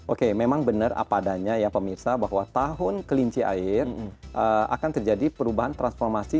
oke memang benar apa adanya ya pemirsa bahwa tahun kelinci air akan terjadi perubahan transformasi